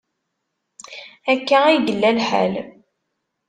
Akka ay yella lḥal.